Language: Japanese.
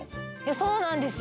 そうなんです。